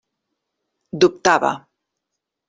Dubtava.